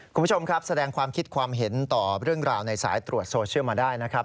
คุณผู้ชมครับแสดงความคิดความเห็นต่อเรื่องราวในสายตรวจโซเชียลมาได้นะครับ